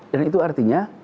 dan itu artinya